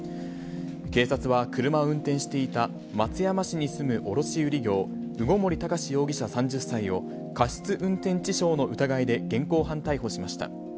警察は、車を運転していた松山市に住む卸売業、鵜篭崇志容疑者３０歳を、過失運転致傷の疑いで現行犯逮捕しました。